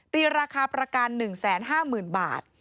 ราคาประกัน๑๕๐๐๐บาท